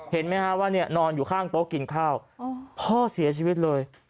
เห็นไหมฮะว่าเนี่ยนอนอยู่ข้างโต๊ะกินข้าวพ่อเสียชีวิตเลย